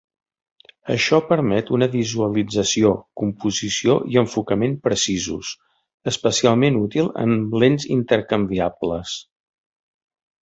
Això permet una visualització, composició i enfocament precisos, especialment útil amb lents intercanviables.